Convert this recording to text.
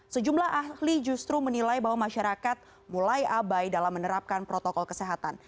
sejumlah ahli justru menilai bahwa masyarakat mulai abai dalam menerapkan protokol kesehatan